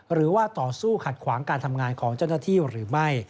หรือว่าต่อสู้ขัดขวางการทำงานของเจ้าหน้าที่หรือไม่